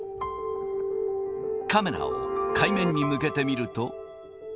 カメラを海面に向けてみると。